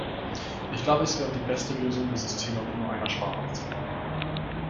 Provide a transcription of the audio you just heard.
Ich glaube, es wäre die beste Lösung, das System auf nur einer Sprache aufzubauen.